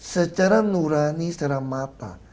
secara nurani secara mata